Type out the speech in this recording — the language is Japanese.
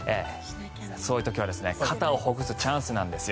そういう時は肩をほぐすチャンスなんですよ。